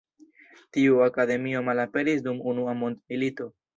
Tiu akademio malaperis dum Unua mondmilito.